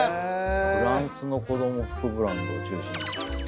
フランスの子ども服ブランドを中心に。